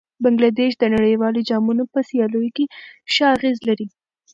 بنګله دېش د نړیوالو جامونو په سیالیو کې ښه اغېز لري.